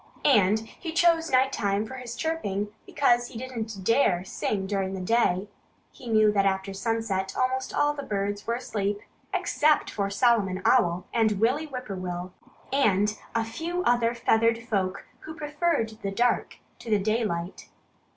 And he chose night time for his chirping because he didn't dare sing during the day. He knew that after sunset almost all the birds were asleep except for Solomon Owl and Willie Whip poor will and a few other feathered folk who preferred the dark to the daylight.